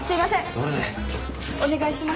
お願いします。